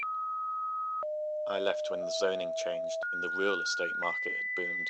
I left when the zoning changed and the real estate market has boomed.